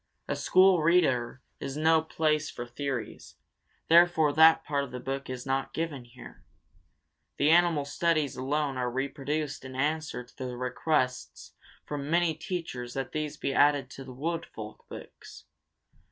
A school reader is no place for theories; therefore that part of the book is not given here. The animal studies alone are reproduced in answer to the requests from many teachers that these be added to the Wood Folk books.